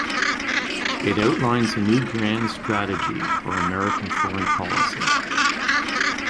It outlines a new grand strategy for American foreign policy.